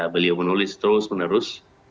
beliau menulis terus menerus